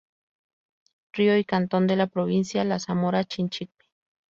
Río y cantón de la provincia de Zamora Chinchipe.